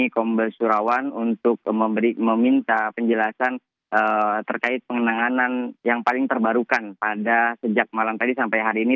kombes surawan untuk meminta penjelasan terkait penanganan yang paling terbarukan pada sejak malam tadi sampai hari ini